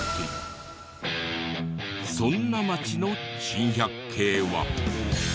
そんな町の珍百景は。